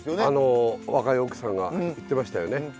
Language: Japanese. あの若い奥さんが言ってましたよね。